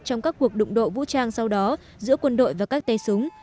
trong các cuộc đụng độ vũ trang sau đó giữa quân đội và các tay súng